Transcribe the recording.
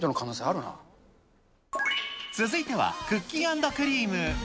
続いては、クッキーアンドクリーム。